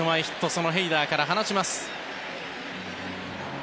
そのヘイダーから放ちます。